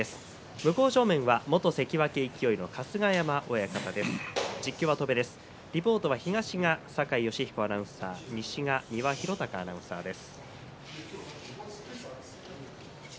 向正面が元関脇勢の春日山親方です。